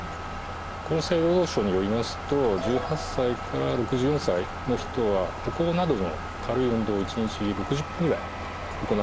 厚生労働省によりますと１８歳から６４歳の人は歩行などの軽い運動を一日６０分ぐらい行うこと。